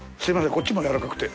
こっちもやわらかくて。